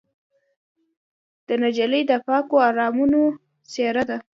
نجلۍ د پاکو ارمانونو څېره ده.